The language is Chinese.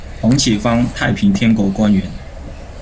黄启芳，太平天国官员。